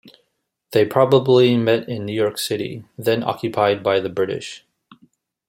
They probably met in New York City, then occupied by the British.